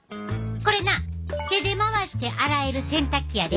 これな手で回して洗える洗濯機やで！